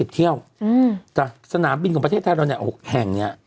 ๓๑๐เที่ยวสนามบินของประเทศไทยเรา๖แห่ง